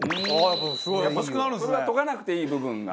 やっぱそれは研がなくていい部分が？